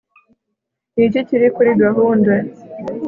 ni iki kiri kuri gahunda